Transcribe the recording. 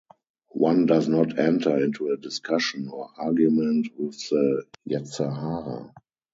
One does not enter into a discussion or argument with the "yetzer hara".